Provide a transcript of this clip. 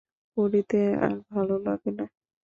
পড়িতে আর ভালো লাগে না।